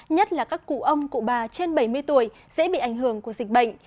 nhất là các cụ ông cụ bà trên bảy mươi tuổi dễ bị ảnh hưởng của dịch bệnh